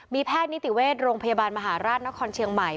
แพทย์นิติเวชโรงพยาบาลมหาราชนครเชียงใหม่